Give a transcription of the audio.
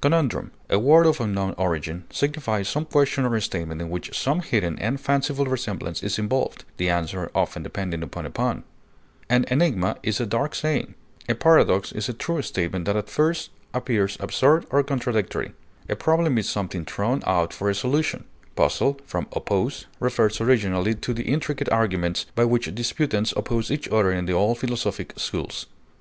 Conundrum, a word of unknown origin, signifies some question or statement in which some hidden and fanciful resemblance is involved, the answer often depending upon a pun; an enigma is a dark saying; a paradox is a true statement that at first appears absurd or contradictory; a problem is something thrown out for solution; puzzle (from oppose) referred originally to the intricate arguments by which disputants opposed each other in the old philosophic schools.